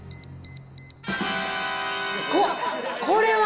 ここれは！